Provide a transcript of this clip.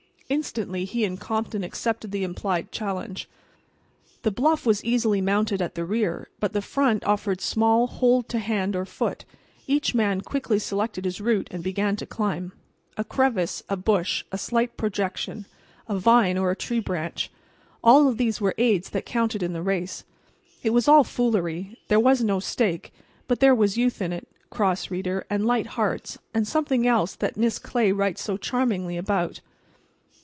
Instantly he and Compton accepted the implied challenge. The bluff was easily mounted at the rear, but the front offered small hold to hand or foot. Each man quickly selected his route and began to climb. A crevice, a bush, a slight projection, a vine or tree branch—all of these were aids that counted in the race. It was all foolery—there was no stake; but there was youth in it, cross reader, and light hearts, and something else that Miss Clay writes so charmingly about.